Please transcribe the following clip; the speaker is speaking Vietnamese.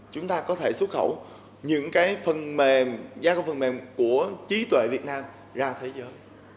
chúng ta có thể xuất khẩu những cái phần mềm gia công phần mềm của trí tuệ việt nam ra thế giới